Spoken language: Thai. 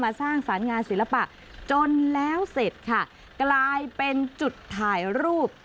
สร้างสรรค์งานศิลปะจนแล้วเสร็จค่ะกลายเป็นจุดถ่ายรูป